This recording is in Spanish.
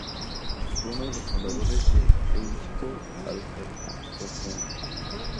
Fue uno de los fundadores de Eusko Alkartasuna.